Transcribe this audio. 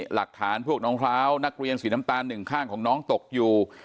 หลักฐานพวกน้องพร้าวนักเรียนสีน้ำตาลหนึ่งข้างของน้องตกอยู่